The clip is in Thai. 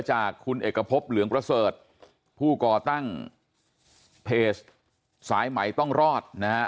จากคุณเอกพบเหลืองประเสริฐผู้ก่อตั้งเพจสายใหม่ต้องรอดนะฮะ